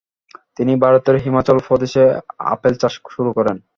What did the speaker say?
তিনি ভারতের হিমাচল প্রদেশে আপেল চাষ শুরু করেন ।